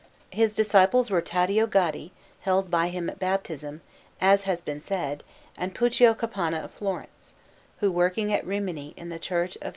His disciples were Taddeo Gaddi, held by him at baptism, as has been said, and Puccio Capanna of Florence, who, working at Rimini in the Church of S.